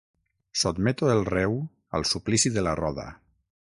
Sotmeto el reu al suplici de la roda.